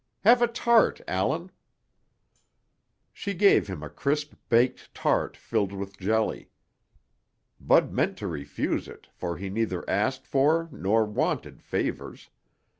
Have a tart, Allan." She gave him a crisp baked tart filled with jelly. Bud meant to refuse it, for he neither asked for nor wanted favors.